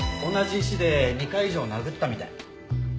同じ石で２回以上殴ったみたい。